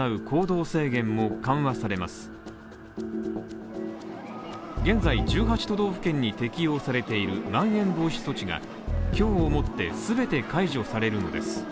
都道府県に適用されているまん延防止措置が今日をもって全て解除されるのです。